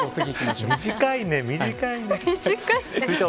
短いね。